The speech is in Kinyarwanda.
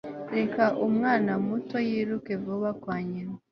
reka umwana muto yiruke vuba kwa nyina